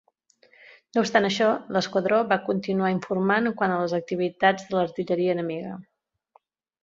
No obstant això, l'esquadró va continuar informant quant a les activitats de l'artilleria enemiga.